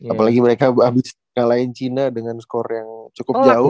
apalagi mereka abis kalahin china dengan skor yang cukup jauh